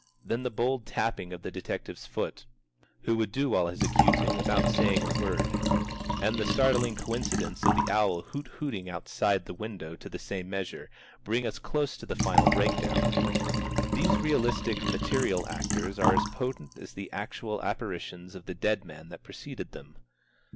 Then the bold tapping of the detective's foot, who would do all his accusing without saying a word, and the startling coincidence of the owl hoot hooting outside the window to the same measure, bring us close to the final breakdown. These realistic material actors are as potent as the actual apparitions of the dead man that preceded them.